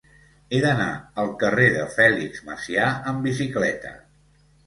He d'anar al carrer de Fèlix Macià amb bicicleta.